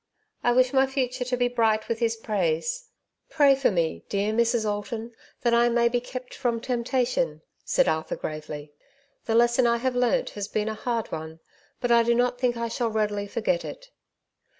'' I wish my future to be bright with His praise. Pray for me, dear Mrs. Alton, that I may be kept from temptation," said Arthur gravely. *' The les son I have learnt has been a hard one, but I do not think I shall readily forget it."